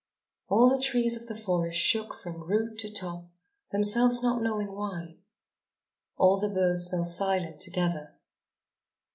All the trees of the forest shook from root to top, themselves not knowing why. All the birds fell silent together.